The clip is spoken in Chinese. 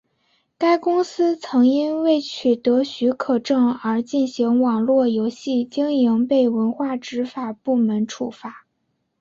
该公司曾因未取得许可证而进行网络游戏经营被文化执法部门处罚。